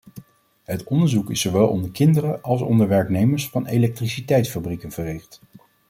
Het onderzoek is zowel onder kinderen als onder werknemers van elektriciteitsfabrieken verricht.